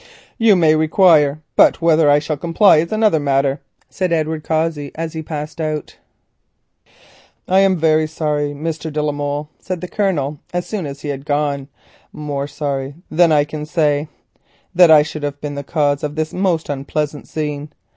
"You may require, but whether I shall comply is another matter," said Edward Cossey, and he passed out. "I am very sorry, Mr. de la Molle," said the Colonel, as soon as he had gone, "more sorry than I can say, that I should have been the cause of this most unpleasant scene.